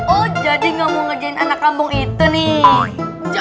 oh jadi gak mau ngerjain anak kampung itu nih